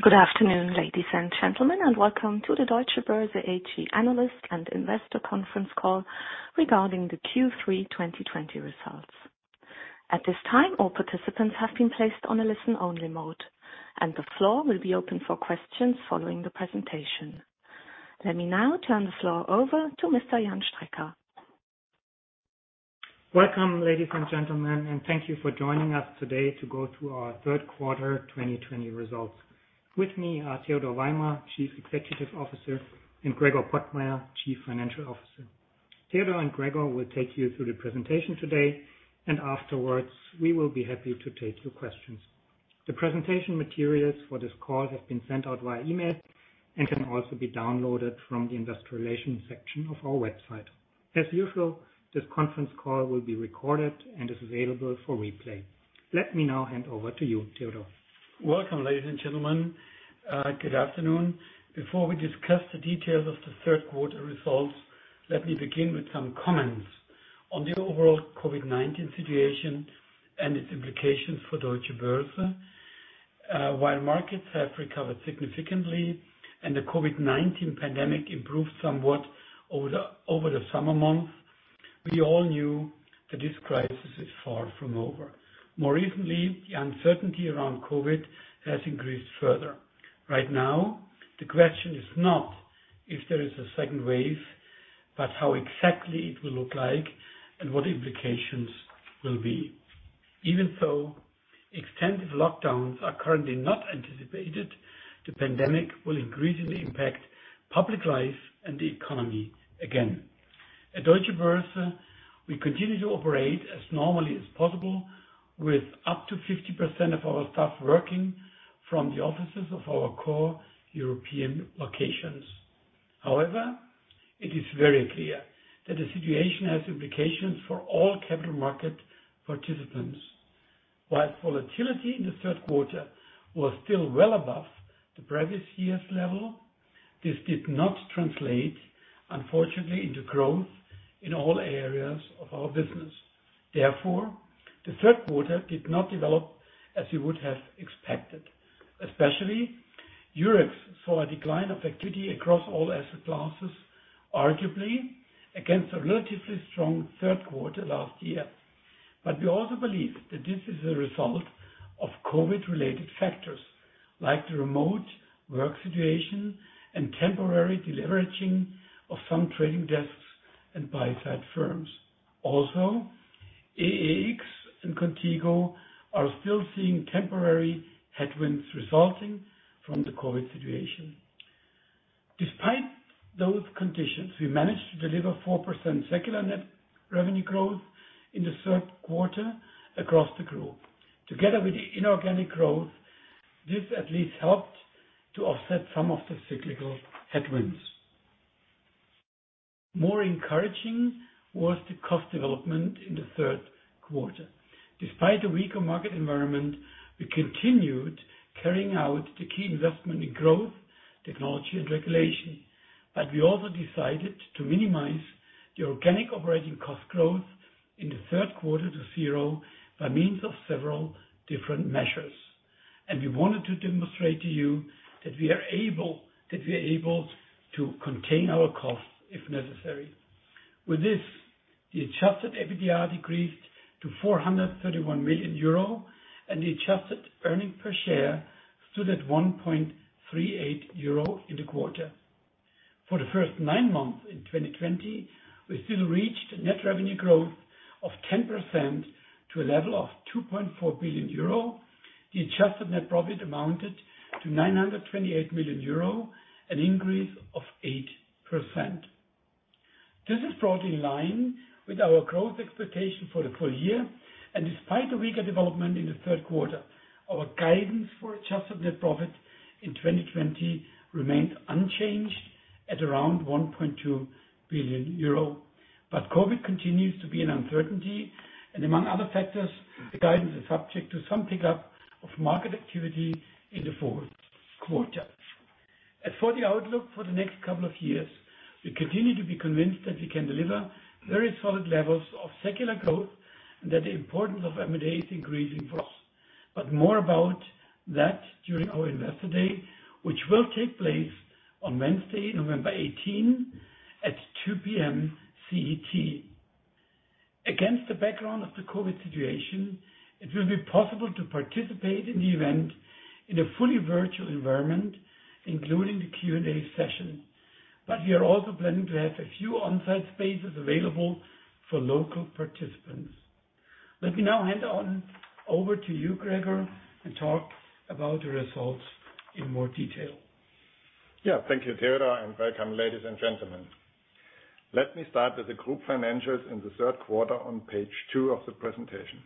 Good afternoon, ladies and gentlemen, welcome to the Deutsche Börse AG analyst and investor conference call regarding the Q3 2020 results. At this time, all participants have been placed on a listen-only mode. The floor will be open for questions following the presentation. Let me now turn the floor over to Mr. Jan Strecker. Welcome, ladies and gentlemen, and thank you for joining us today to go through our third quarter 2020 results. With me are Theodor Weimer, Chief Executive Officer, and Gregor Pottmeyer, Chief Financial Officer. Theodor and Gregor will take you through the presentation today, and afterwards, we will be happy to take your questions. The presentation materials for this call have been sent out via email and can also be downloaded from the Investor Relations section of our website. As usual, this conference call will be recorded and is available for replay. Let me now hand over to you, Theodor. Welcome, ladies and gentlemen. Good afternoon. Before we discuss the details of the third quarter results, let me begin with some comments on the overall COVID-19 situation and its implications for Deutsche Börse. While markets have recovered significantly and the COVID-19 pandemic improved somewhat over the summer months, we all knew that this crisis is far from over. More recently, the uncertainty around COVID has increased further. Right now, the question is not if there is a second wave, but how exactly it will look like and what implications will be. Even though extensive lockdowns are currently not anticipated, the pandemic will increasingly impact public life and the economy again. At Deutsche Börse, we continue to operate as normally as possible with up to 50% of our staff working from the offices of our core European locations. However, it is very clear that the situation has implications for all capital market participants. While volatility in the third quarter was still well above the previous year's level, this did not translate, unfortunately, into growth in all areas of our business. The third quarter did not develop as we would have expected. Especially, Eurex saw a decline of activity across all asset classes, arguably against a relatively strong third quarter last year. We also believe that this is a result of COVID-related factors, like the remote work situation and temporary deleveraging of some trading desks and buy-side firms. Also, EEX and Qontigo are still seeing temporary headwinds resulting from the COVID situation. Despite those conditions, we managed to deliver 4% secular net revenue growth in the third quarter across the Group. Together with the inorganic growth, this at least helped to offset some of the cyclical headwinds. More encouraging was the cost development in the third quarter. Despite the weaker market environment, we continued carrying out the key investment in growth, technology, and regulation. We also decided to minimize the organic operating cost growth in the third quarter to zero by means of several different measures. We wanted to demonstrate to you that we are able to contain our costs if necessary. With this, the adjusted EBITDA decreased to 431 million euro, and the adjusted earnings per share stood at 1.38 euro in the quarter. For the first nine months in 2020, we still reached net revenue growth of 10% to a level of 2.4 billion euro. The adjusted net profit amounted to 928 million euro, an increase of 8%. This is brought in line with our growth expectation for the full year. Despite the weaker development in the third quarter, our guidance for adjusted net profit in 2020 remained unchanged at around [1.20 billion euro]. COVID continues to be an uncertainty, and among other factors, the guidance is subject to some pickup of market activity in the fourth quarter. As for the outlook for the next couple of years, we continue to be convinced that we can deliver very solid levels of secular growth and that the importance of M&A is increasing for us. More about that during our Investor Day, which will take place on Wednesday, November 18, at 2:00 P.M. CET. Against the background of the COVID situation, it will be possible to participate in the event in a fully virtual environment, including the Q&A session. We are also planning to have a few on-site spaces available for local participants. Let me now hand over to you, Gregor, and talk about the results in more detail. Thank you, Theodor, and welcome, ladies and gentlemen. Let me start with the Group financials in the third quarter on page two of the presentation.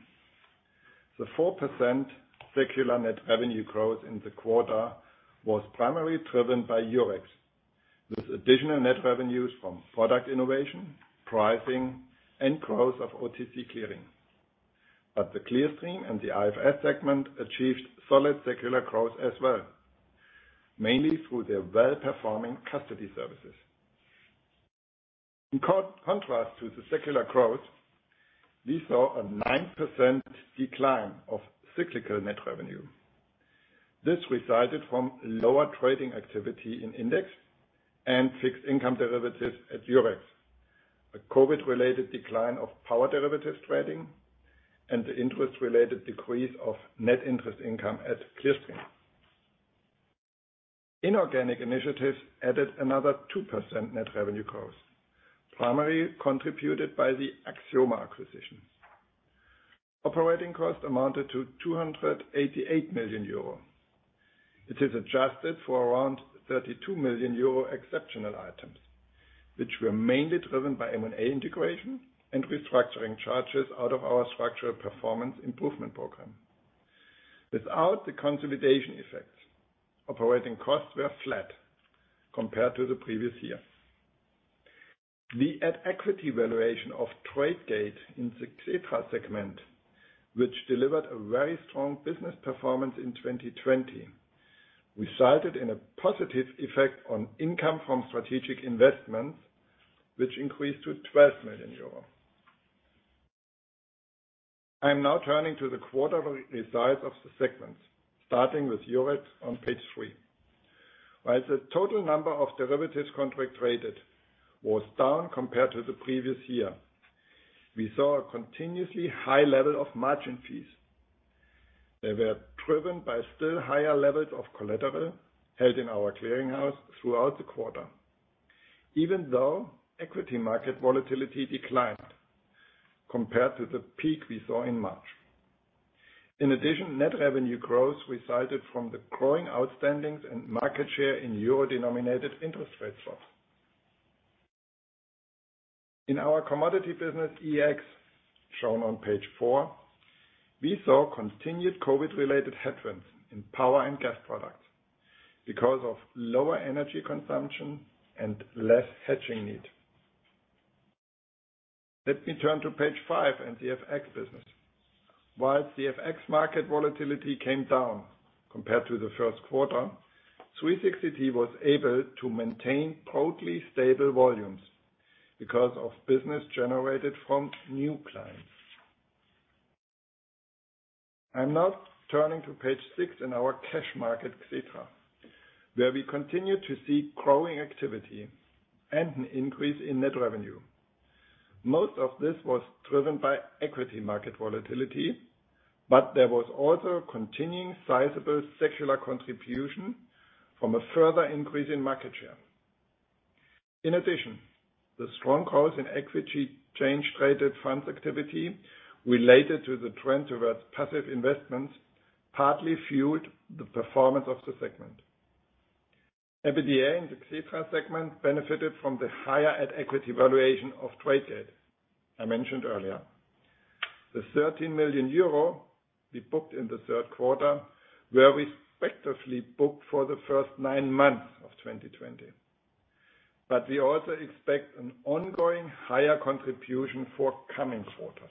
The 4% secular net revenue growth in the quarter was primarily driven by Eurex, with additional net revenues from product innovation, pricing, and growth of OTC Clearing. The Clearstream and the IFS segment achieved solid secular growth as well, mainly through their well-performing custody services. In contrast to the secular growth, we saw a 9% decline of cyclical net revenue. This resulted from lower trading activity in index and fixed income derivatives at Eurex, a COVID-related decline of power derivatives trading, and the interest-related decrease of net interest income at Clearstream. Inorganic initiatives added another 2% net revenue growth, primarily contributed by the Axioma acquisitions. Operating costs amounted to 288 million euro. It is adjusted for around 32 million euro exceptional items, which were mainly driven by M&A integration and restructuring charges out of our structural performance improvement program. Without the consolidation effects, operating costs were flat compared to the previous year. The at-equity valuation of Tradegate in Xetra segment, which delivered a very strong business performance in 2020, resulted in a positive effect on income from strategic investments, which increased to 12 million euro. I am now turning to the quarterly size of the segments, starting with Eurex on page three. While the total number of derivatives contract traded was down compared to the previous year, we saw a continuously high level of margin fees. They were driven by still higher levels of collateral held in our clearing house throughout the quarter, even though equity market volatility declined compared to the peak we saw in March. Net revenue growth resulted from the growing outstandings and market share in euro-denominated interest rate swaps. In our commodity business, EEX, shown on page four, we saw continued COVID-related headwinds in power and gas products because of lower energy consumption and less hedging need. Let me turn to page five and the FX business. While the FX market volatility came down compared to the first quarter, 360T was able to maintain broadly stable volumes because of business generated from new clients. I'm now turning to page six in our cash market, Xetra, where we continue to see growing activity and an increase in net revenue. Most of this was driven by equity market volatility, there was also continuing sizable secular contribution from a further increase in market share. In addition, the strong growth in equity exchange traded funds activity related to the trend towards passive investments partly fueled the performance of the segment. EBITDA in the Xetra segment benefited from the higher at-equity valuation of Tradegate, I mentioned earlier. The 13 million euro we booked in the third quarter were respectively booked for the first nine months of 2020. We also expect an ongoing higher contribution for coming quarters.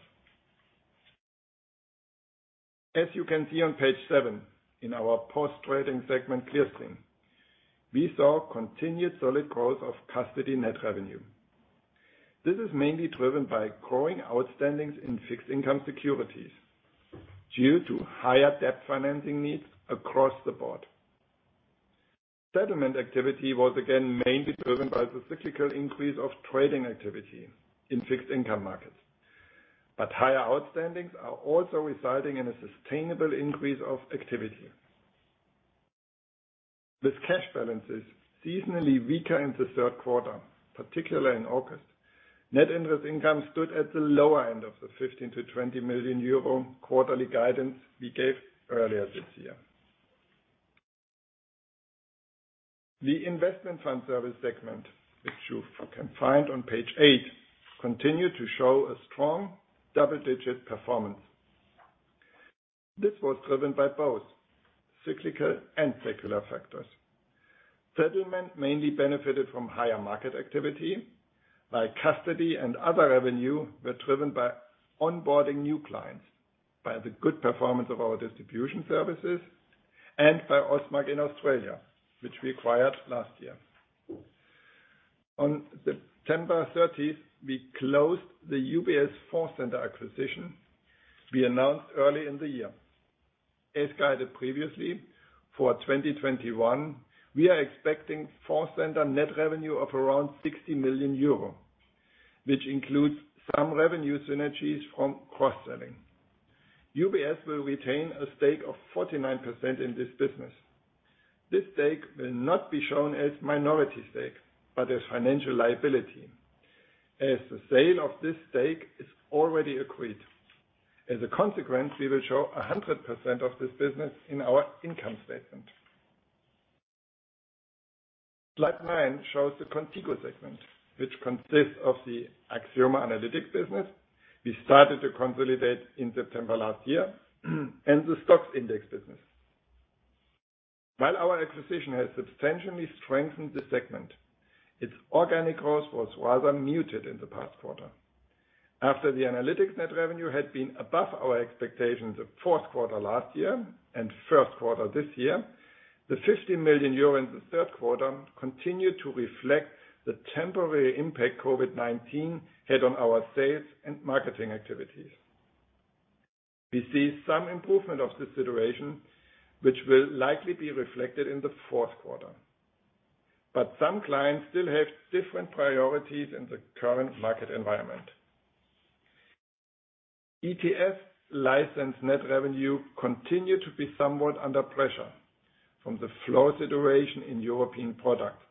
As you can see on page seven, in our post-trading segment, Clearstream, we saw continued solid growth of custody net revenue. This is mainly driven by growing outstandings in fixed income securities due to higher debt financing needs across the board. Settlement activity was again mainly driven by the cyclical increase of trading activity in fixed income markets. Higher outstandings are also resulting in a sustainable increase of activity. With cash balances seasonally weaker in the third quarter, particularly in August, net interest income stood at the lower end of the 15 million-20 million euro quarterly guidance we gave earlier this year. The Investment Fund Services segment, which you can find on page eight, continued to show a strong double-digit performance. This was driven by both cyclical and secular factors. Settlement mainly benefited from higher market activity, while custody and other revenue were driven by onboarding new clients by the good performance of our distribution services and by Ausmaq in Australia, which we acquired last year. On September 30th, we closed the UBS Fondcenter acquisition we announced early in the year. As guided previously, for 2021, we are expecting Fondcenter net revenue of around 60 million euro, which includes some revenue synergies from cross-selling. UBS will retain a stake of 49% in this business. This stake will not be shown as minority stake, but as financial liability, as the sale of this stake is already accrued. As a consequence, we will show 100% of this business in our income statement. Slide nine shows the Qontigo segment, which consists of the Axioma analytics business we started to consolidate in September last year, and the STOXX index business. Our acquisition has substantially strengthened the segment, its organic growth was rather muted in the past quarter. The analytics net revenue had been above our expectations the fourth quarter last year and first quarter this year, the 50 million euro in the third quarter continued to reflect the temporary impact COVID-19 had on our sales and marketing activities. We see some improvement of this situation, which will likely be reflected in the fourth quarter. Some clients still have different priorities in the current market environment. ETF license net revenue continued to be somewhat under pressure from the flow situation in European products,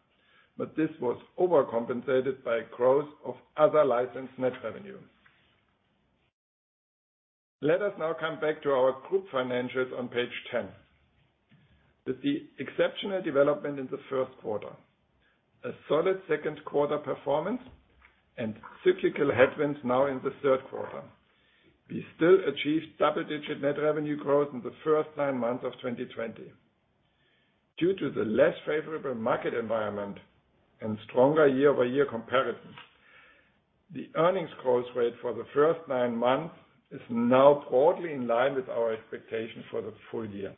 but this was overcompensated by growth of other license net revenue. Let us now come back to our Group financials on page 10. With the exceptional development in the first quarter, a solid second quarter performance, and cyclical headwinds now in the third quarter, we still achieved double-digit net revenue growth in the first nine months of 2020. Due to the less favorable market environment and stronger year-over-year comparisons, the earnings growth rate for the first nine months is now broadly in line with our expectations for the full year.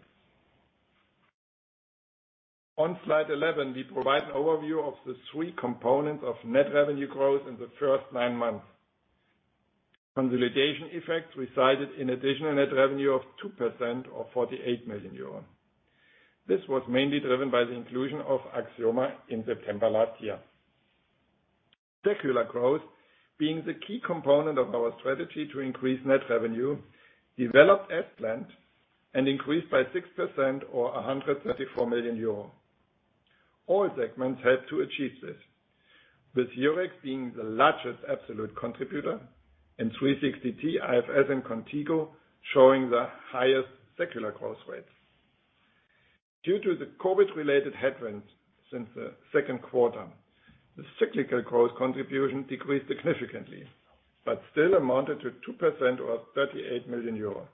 On slide 11, we provide an overview of the three components of net revenue growth in the first nine months. Consolidation effects resulted in additional net revenue of 2% or 48 million euros. This was mainly driven by the inclusion of Axioma in September last year. Secular growth, being the key component of our strategy to increase net revenue, developed as planned and increased by 6% or 134 million euro. All segments helped to achieve this, with Eurex being the largest absolute contributor and 360T, IFS, and Qontigo showing the highest secular growth rates. Due to the COVID-related headwinds since the second quarter, the cyclical growth contribution decreased significantly, but still amounted to 2% or 38 million euros.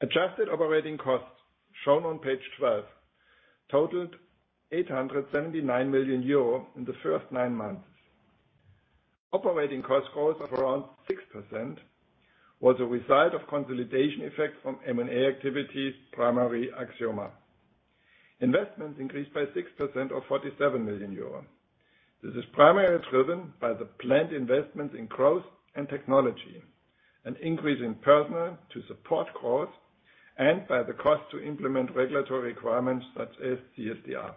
Adjusted operating costs, shown on page 12, totaled 879 million euro in the first nine months. Operating cost growth of around 6% was a result of consolidation effects from M&A activities, primarily Axioma. Investments increased by 6% or 47 million euros. This is primarily driven by the planned investments in growth and technology, an increase in personnel to support growth, and by the cost to implement regulatory requirements such as CSDR.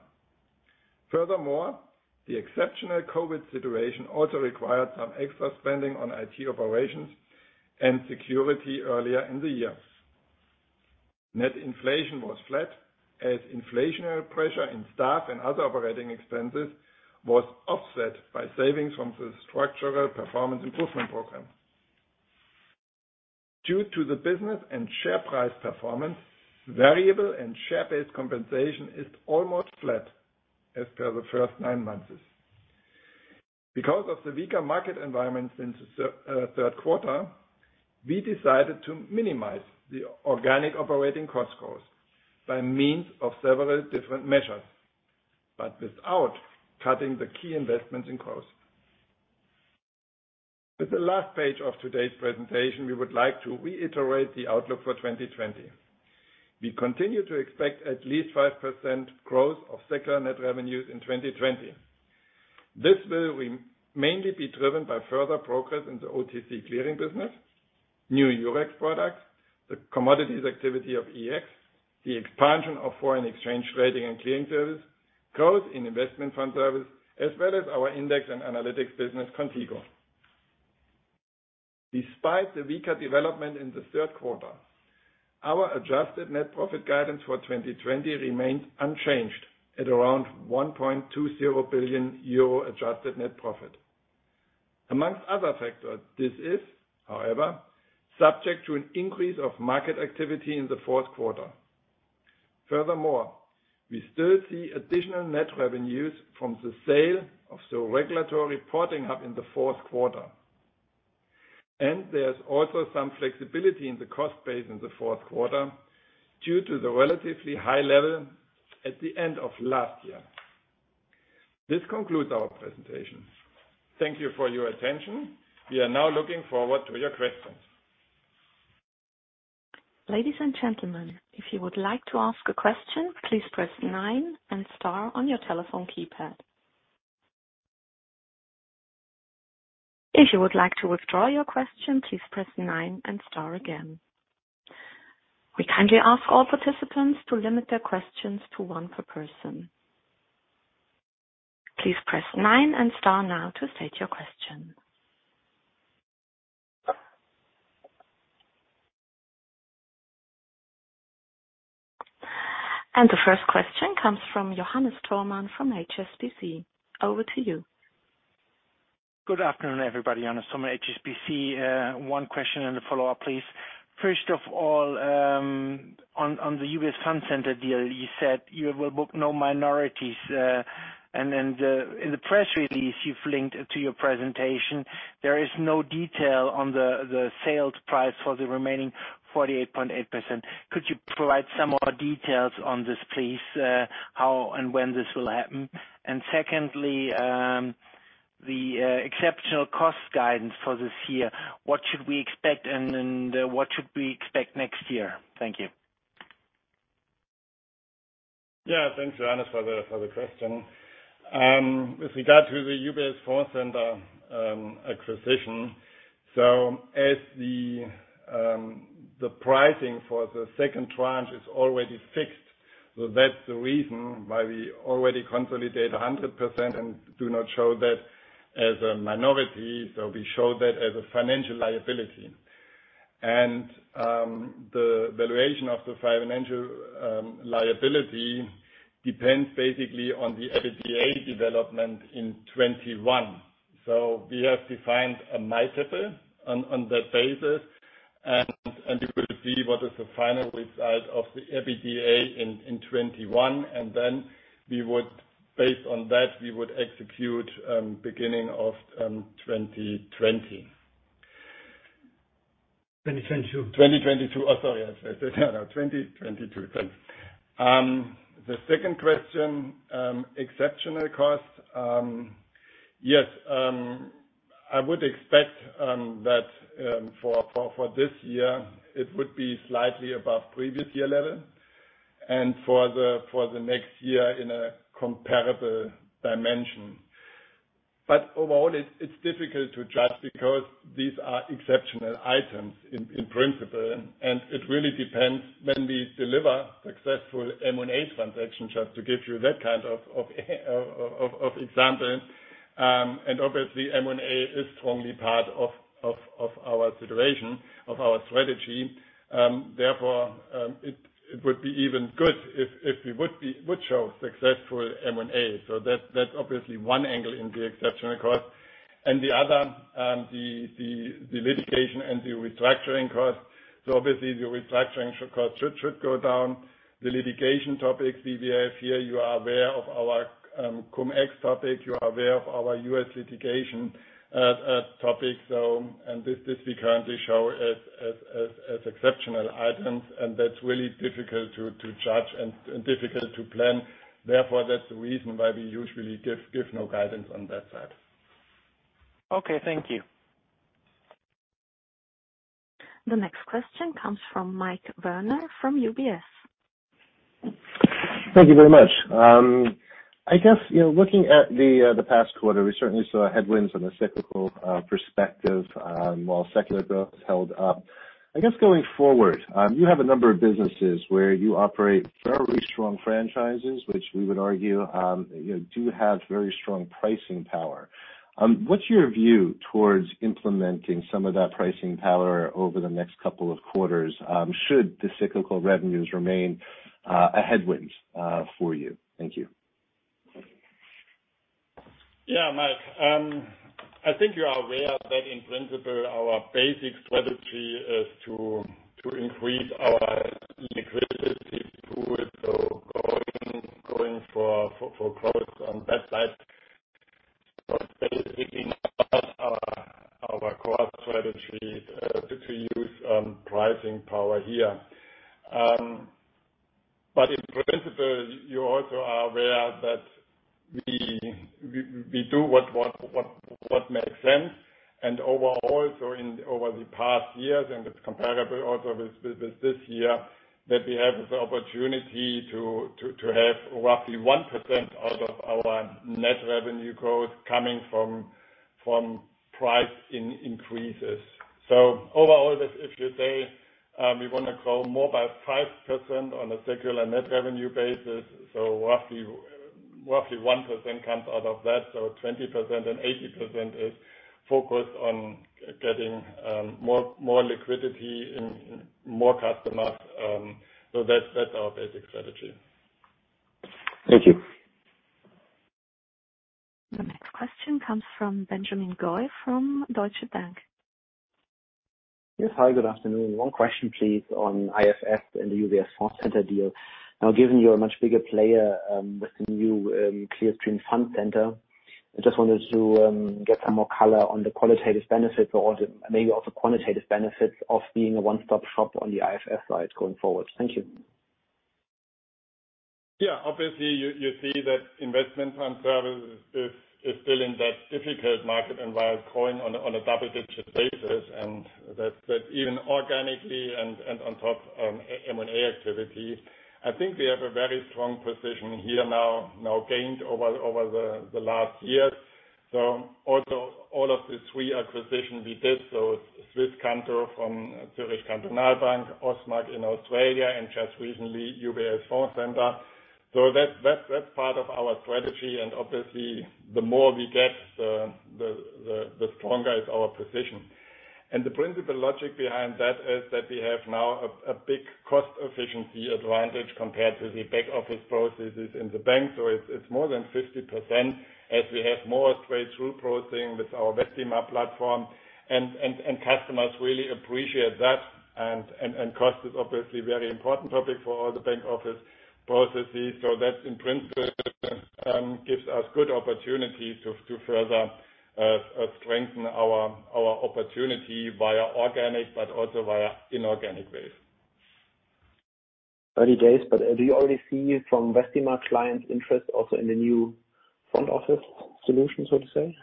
Furthermore, the exceptional COVID situation also required some extra spending on IT operations and security earlier in the year. Net inflation was flat, as inflationary pressure in staff and other operating expenses was offset by savings from the structural performance improvement program. Due to the business and share price performance, variable and share-based compensation is almost flat as per the first nine months. Because of the weaker market environment since the third quarter, we decided to minimize the organic operating cost growth by means of several different measures, but without cutting the key investments in growth. With the last page of today's presentation, we would like to reiterate the outlook for 2020. We continue to expect at least 5% growth of secular net revenues in 2020. This will mainly be driven by further progress in the OTC Clearing business, new Eurex products, the commodities activity of EEX, the expansion of foreign exchange trading and Clearing Service, growth in Investment Fund Service, as well as our index and analytics business, Qontigo. Despite the weaker development in the third quarter, our adjusted net profit guidance for 2020 remains unchanged at around 1.20 billion euro adjusted net profit. Amongst other factors, this is, however, subject to an increase of market activity in the fourth quarter. Furthermore, we still see additional net revenues from the sale of the regulatory reporting hub in the fourth quarter, and there's also some flexibility in the cost base in the fourth quarter due to the relatively high level at the end of last year. This concludes our presentation. Thank you for your attention. We are now looking forward to your questions. Ladies and gentlemen, if you would like to ask a question, please press nine and star on your telephone keypad. If you would like to withdraw your question, please press nine and star again. We kindly ask all participants to limit their questions to one per person. Please press nine and star now to state your question. The first question comes from Johannes Thormann from HSBC. Over to you. Good afternoon, everybody. Johannes Thormann, HSBC. One question and a follow-up, please. First of all, on the UBS Fondcenter deal, you said you will book no minorities. In the press release you've linked to your presentation, there is no detail on the sales price for the remaining 48.8%. Could you provide some more details on this, please? How and when this will happen? Secondly, the exceptional cost guidance for this year, what should we expect and what should we expect next year? Thank you. Yeah, thanks Johannes for the question. With regard to the UBS Fondcenter acquisition, as the pricing for the second tranche is already fixed, that's the reason why we already consolidate 100% and do not show that as a minority. We show that as a financial liability. The valuation of the financial liability depends basically on the EBITDA development in 2021. We have defined a multiple on that basis, and we will see what is the final result of the EBITDA in 2021. Based on that, we would execute beginning of 2020. 2022. 2022. Oh, sorry. Yes. No, 2022. Thanks. The second question, exceptional costs. Yes, I would expect that for this year it would be slightly above previous year level and for the next year in a comparable dimension. Overall, it's difficult to judge because these are exceptional items in principle, and it really depends when we deliver successful M&A transactions, just to give you that kind of example. Obviously M&A is strongly part of our situation, of our strategy. Therefore, it would be even good if we would show successful M&A. That's obviously one angle in the exceptional cost. The other, the litigation and the restructuring cost. Obviously the restructuring cost should go down. The litigation topics, CBF here, you are aware of our cum-ex topic, you are aware of our U.S. litigation topic. This we currently show as exceptional items and that's really difficult to judge and difficult to plan. That's the reason why we usually give no guidance on that side. Okay, thank you. The next question comes from Mike Werner from UBS. Thank you very much. I guess, looking at the past quarter, we certainly saw headwinds from a cyclical perspective, while secular growth held up. I guess going forward, you have a number of businesses where you operate fairly strong franchises, which we would argue do have very strong pricing power. What's your view towards implementing some of that pricing power over the next couple of quarters, should the cyclical revenues remain a headwind for you? Thank you. opportunity to have roughly 1% out of our net revenue growth coming from price increases. Overall, if you say we want to grow more by 5% on a secular net revenue basis, roughly 1% comes out of that, 20% and 80% is focused on getting more liquidity and more customers. That's our basic strategy. Thank you. The next question comes from Benjamin Goy from Deutsche Bank. Yes, hi, good afternoon. One question please on IFS and the UBS Fondcenter deal. Now given you're a much bigger player with the new Clearstream Fund Centre, I just wanted to get some more color on the qualitative benefit or maybe also quantitative benefits of being a one-stop shop on the IFS side going forward. Thank you. Obviously you see that Investment Fund Services is still in that difficult market environment growing on a double-digit basis and that even organically and on top of M&A activity. I think we have a very strong position here now, gained over the last years. Also all of the three acquisitions we did, Swisscanto from Zürcher Kantonalbank, Ausmaq in Australia, and just recently, UBS Fondcenter. That's part of our strategy and obviously the more we get, the stronger is our position. The principal logic behind that is that we have now a big cost efficiency advantage compared to the back office processes in the bank. It's more than 50% as we have more straight-through processing with our Vestima platform and customers really appreciate that and cost is obviously very important topic for all the back office processes. That in principle gives us good opportunities to further strengthen our opportunity via organic but also via inorganic ways. 30 days. Do you already see from Vestima clients interest also in the new front office solution, so to say?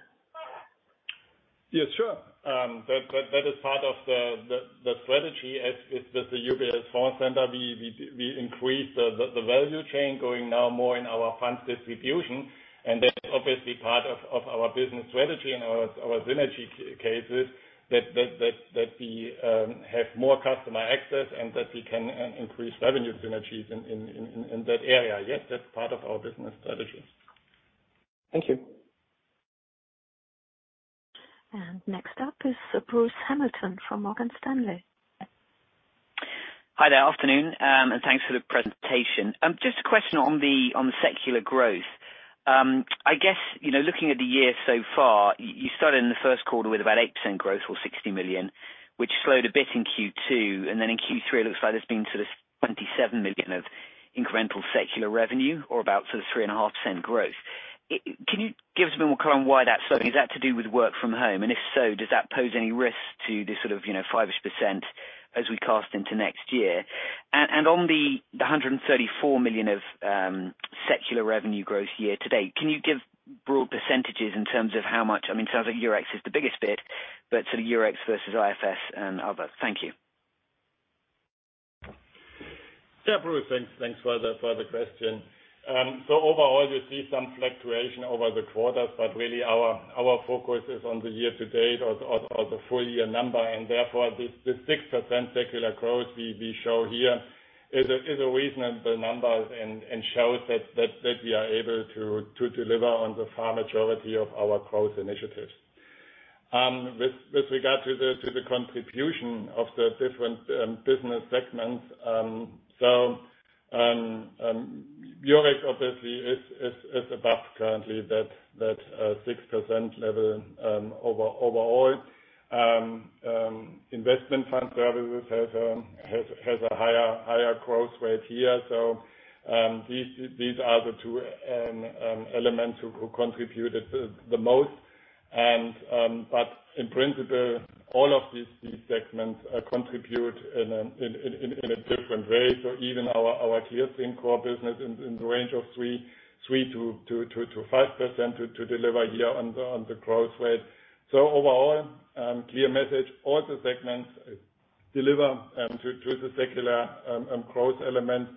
Yes, sure. That is part of the strategy as with the UBS Fondcenter, we increase the value chain going now more in our funds distribution. That's obviously part of our business strategy and our synergy cases that we have more customer access and that we can increase revenue synergies in that area. Yes, that's part of our business strategy. Thank you. Next up is Bruce Hamilton from Morgan Stanley. Hi there. Afternoon, and thanks for the presentation. Just a question on the secular growth. I guess, looking at the year so far, you started in the first quarter with about 8% growth or 60 million, which slowed a bit in Q2, then in Q3, it looks like there's been sort of 27 million of incremental secular revenue or about 3.5% growth. Can you give us a bit more color on why that slowed? Is that to do with work from home? If so, does that pose any risk to this sort of 5%-ish as we cast into next year? On the 134 million of secular revenue growth year-to-date, can you give broad percentages in terms of how much, I mean, it sounds like Eurex is the biggest bit, but sort of Eurex versus IFS and others. Thank you. Yeah, Bruce, thanks for the question. Overall, you see some fluctuation over the quarters, but really our focus is on the year-to-date or the full-year number, and therefore, the 6% secular growth we show here is a reasonable number and shows that we are able to deliver on the far majority of our growth initiatives. With regard to the contribution of the different business segments. Eurex obviously is above currently that 6% level, overall. Investment Fund Services has a higher growth rate here. These are the two elements who contributed the most. In principle, all of these segments contribute in a different way. Even our Clearstream core business in the range of 3%-5% to deliver here on the growth rate. Overall, clear message, all the segments deliver to the secular growth element.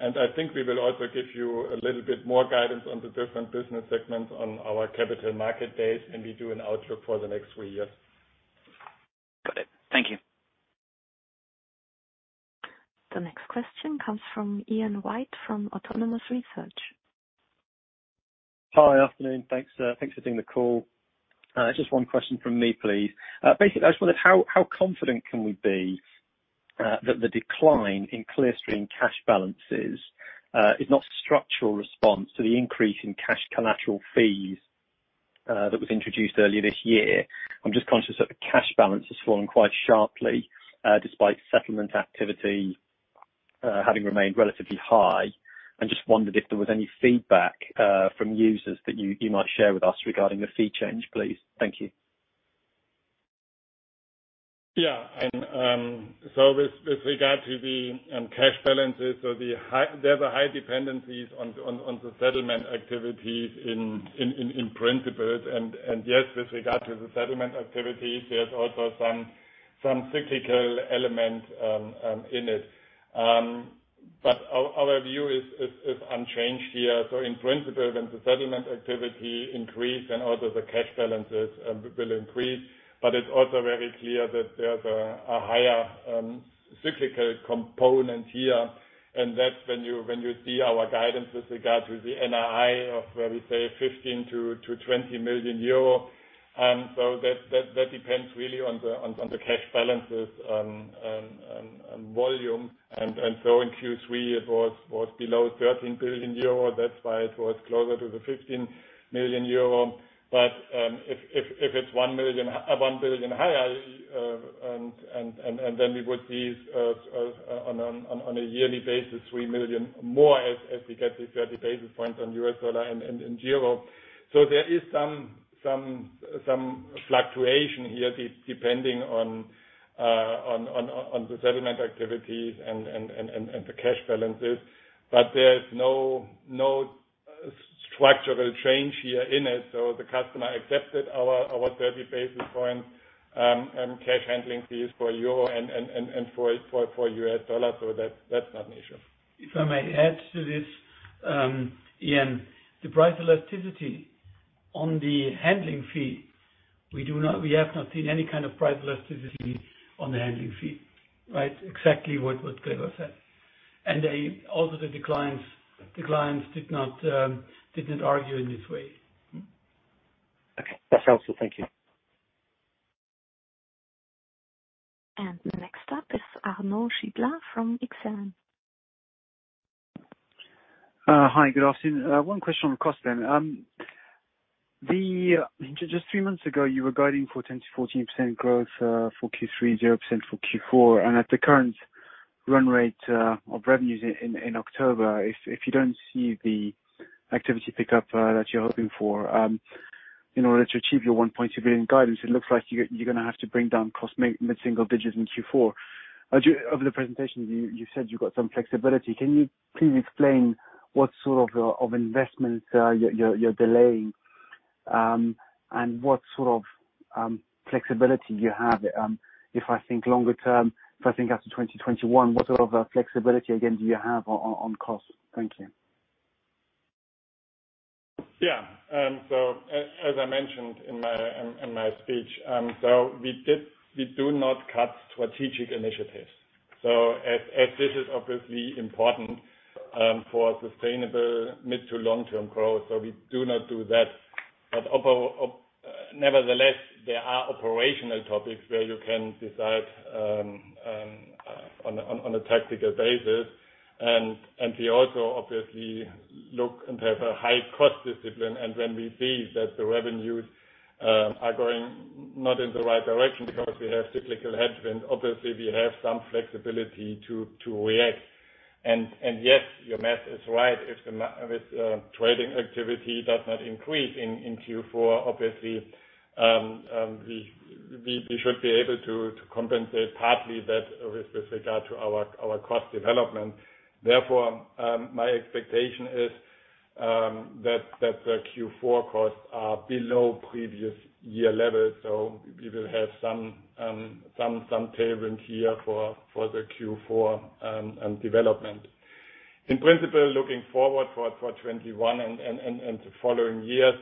I think we will also give you a little bit more guidance on the different business segments on our Capital Market Days when we do an outlook for the next three years. Got it. Thank you. The next question comes from Ian White from Autonomous Research. Hi. Afternoon. Thanks for taking the call. Just one question from me, please. Basically, I just wondered how confident can we be that the decline in Clearstream cash balances is not a structural response to the increase in cash collateral fees that was introduced earlier this year. I'm just conscious that the cash balance has fallen quite sharply despite settlement activity having remained relatively high. I just wondered if there was any feedback from users that you might share with us regarding the fee change, please. Thank you. Yeah. With regard to the cash balances, there's a high dependencies on the settlement activities in principle. Yes, with regard to the settlement activities, there's also some cyclical element in it. Our view is unchanged here. In principle, when the settlement activity increase and also the cash balances will increase, but it's also very clear that there's a higher cyclical component here, and that's when you see our guidance with regard to the NII of where we say 15 million-20 million euro. That depends really on the cash balances and volume. In Q3, it was below 13 million euro. That's why it was closer to 15 million euro. But if it's 1 billion higher, and then we would be on a yearly basis, 3 million more as we get the 30 basis points on U.S. dollar and in euro. There is some fluctuation here depending on the settlement activities and the cash balances. There is no structural change here in it. The customer accepted our 30 basis point cash handling fees for euro and for U.S. dollar. That's not an issue. If I may add to this, Ian. The price elasticity on the handling fee, we have not seen any kind of price elasticity on the handling fee. Right? Exactly what Gregor said. Also the declines did not argue in this way. Okay. That's helpful. Thank you. Next up is Arnaud Giblat from Exane. Hi, good afternoon. One question on cost. Just three months ago, you were guiding for 10%-14% growth for Q3, 0% for Q4. At the current run rate of revenues in October, if you don't see the activity pick up that you're hoping for. In order to achieve your [1.20 billion] guidance, it looks like you're going to have to bring down cost mid-single digits in Q4. Over the presentation, you said you've got some flexibility. Can you please explain what sort of investments you're delaying, and what sort of flexibility you have? If I think longer term, if I think after 2021, what sort of flexibility, again, do you have on cost? Thank you. Yeah. As I mentioned in my speech, we do not cut strategic initiatives. This is obviously important for sustainable mid to long-term growth. We do not do that. Nevertheless, there are operational topics where you can decide on a tactical basis. We also obviously look and have a high cost discipline. When we see that the revenues are going not in the right direction because we have cyclical headwinds, obviously we have some flexibility to react. Yes, your math is right. If trading activity does not increase in Q4, obviously, we should be able to compensate partly that with regard to our cost development. Therefore, my expectation is that the Q4 costs are below previous year levels. We will have some tailwind here for the Q4 development. In principle, looking forward for 2021 and the following years,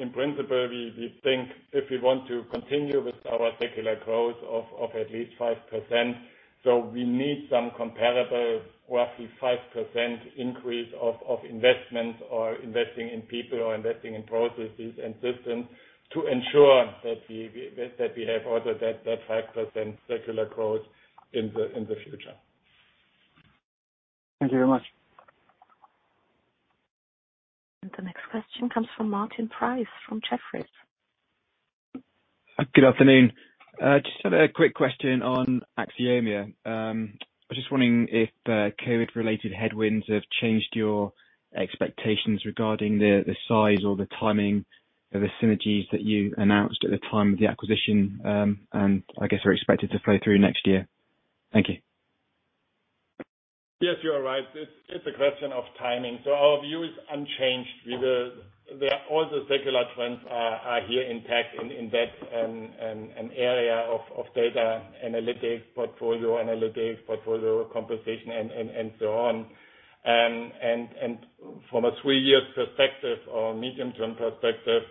in principle, we think if we want to continue with our secular growth of at least 5%, we need some comparable roughly 5% increase of investments or investing in people or investing in processes and systems to ensure that we have also that 5% secular growth in the future. Thank you very much. The next question comes from Martin Price from Jefferies. Good afternoon. Just have a quick question on Axioma. I was just wondering if COVID-related headwinds have changed your expectations regarding the size or the timing of the synergies that you announced at the time of the acquisition, I guess are expected to flow through next year. Thank you. Yes, you are right. It's a question of timing. Our view is unchanged. All the secular trends are here intact in that area of data analytics, portfolio analytics, portfolio compensation, and so on. From a three-year perspective or medium-term perspective,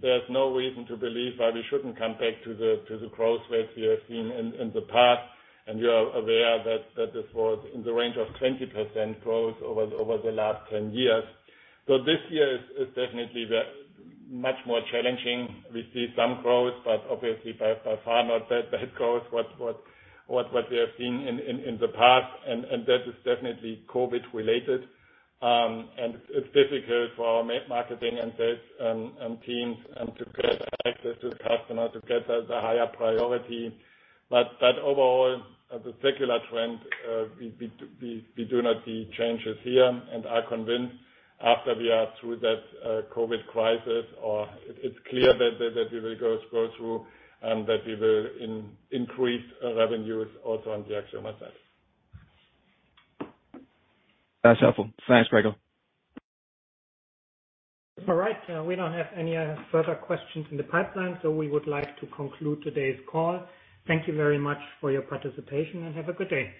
there's no reason to believe why we shouldn't come back to the growth rates we have seen in the past, and we are aware that this was in the range of 20% growth over the last 10 years. This year is definitely much more challenging. We see some growth, obviously by far not that growth what we have seen in the past, and that is definitely COVID-related. It's difficult for our marketing and sales teams, and to get access to the customer to get the higher priority. Overall, the secular trend, we do not see changes here, and are convinced after we are through that COVID crisis, or it's clear that we will go through, that we will increase revenues also on the Axioma side. That's helpful. Thanks, Gregor. All right. We don't have any further questions in the pipeline, so we would like to conclude today's call. Thank you very much for your participation, and have a good day.